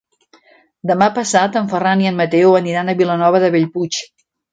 Demà passat en Ferran i en Mateu aniran a Vilanova de Bellpuig.